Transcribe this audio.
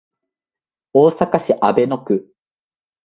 大阪市阿倍野区